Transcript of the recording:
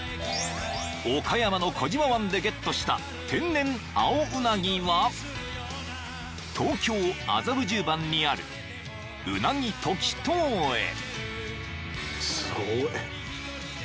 ［岡山の児島湾でゲットした天然青うなぎは東京麻布十番にあるうなぎ時任へ］